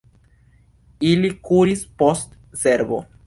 Ili kuris post cervo.